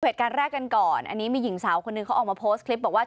เหตุการณ์แรกกันก่อนอันนี้มีหญิงสาวคนหนึ่งเขาออกมาโพสต์คลิปบอกว่า